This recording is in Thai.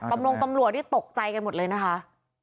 กำลังตำรวจที่ตกใจกันหมดเลยนะคะ